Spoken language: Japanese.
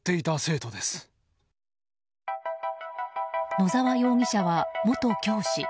野澤容疑者は、元教師。